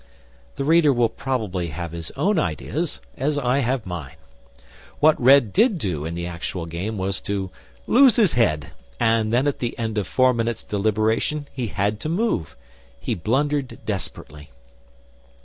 The reader will probably have his own ideas, as I have mine. What Red did do in the actual game was to lose his head, and then at the end of four minutes' deliberation he had to move, he blundered desperately.